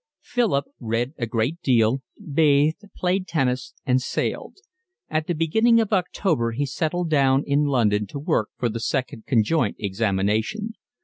Philip read a great deal, bathed, played tennis, and sailed. At the beginning of October he settled down in London to work for the Second Conjoint examination.